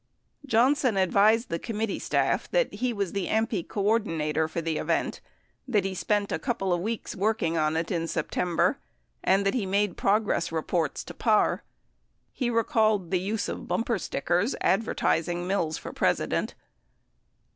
66 Johnson advised the committee staff that he was the AMPI coordinator for the event, that he spent a couple of weeks working on it in September and that he made progress reports to Parr. He recalled the use of bumper stickers advertising Mills for President.